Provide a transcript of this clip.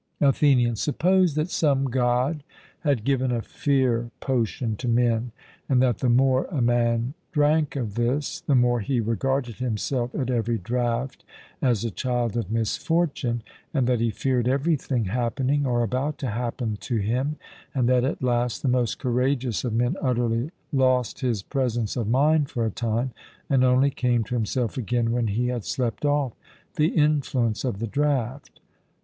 ATHENIAN: Suppose that some God had given a fear potion to men, and that the more a man drank of this the more he regarded himself at every draught as a child of misfortune, and that he feared everything happening or about to happen to him; and that at last the most courageous of men utterly lost his presence of mind for a time, and only came to himself again when he had slept off the influence of the draught.